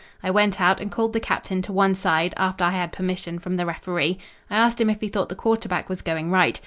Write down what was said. I went out and called the captain to one side after I had permission from the Referee. I asked him if he thought the quarterback was going right.